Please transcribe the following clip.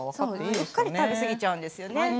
うっかり食べ過ぎちゃうんですよね。